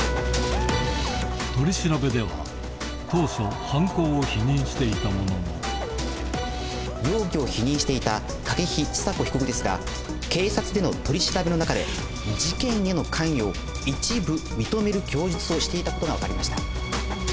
取り調べでは容疑を否認していた筧千佐子被告ですが警察での取り調べの中で事件への関与を一部認める供述をしていたことが分かりました。